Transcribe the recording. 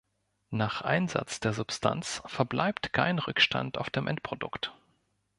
Nach Einsatz der Substanz verbleibt kein Rückstand auf dem Endprodukt.